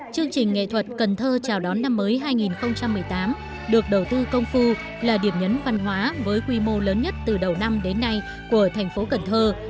chương trình nghệ thuật cần thơ chào đón năm mới hai nghìn một mươi tám được đầu tư công phu là điểm nhấn văn hóa với quy mô lớn nhất từ đầu năm đến nay của thành phố cần thơ